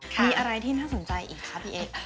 มีอะไรที่น่าสนใจอีกคะพี่เอ๊